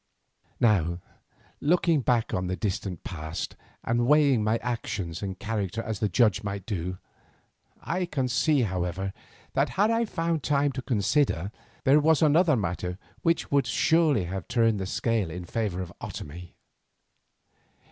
Now, looking back on the distant past, and weighing my actions and character as a judge might do, I can see, however, that had I found time to consider, there was another matter which would surely have turned the scale in favour of Otomie.